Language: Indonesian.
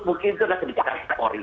mungkin itu adalah kebijakan kapolri